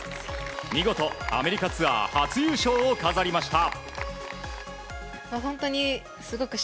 見事アメリカツアー初優勝を飾りました。